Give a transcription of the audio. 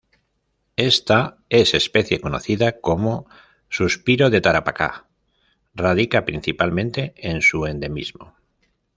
Esta es especie conocida como 'Suspiro de Tarapacá' radica principalmente en su endemismo.